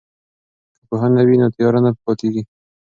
که پوهنه وي نو تیاره نه پاتیږي.